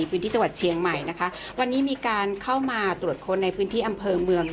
พื้นที่จังหวัดเชียงใหม่นะคะวันนี้มีการเข้ามาตรวจค้นในพื้นที่อำเภอเมือง